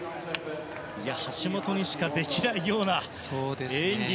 橋本にしかできないような演技。